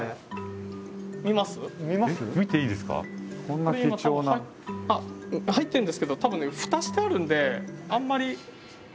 これ実は入ってるんですけどたぶんねふたしてあるんであんまり。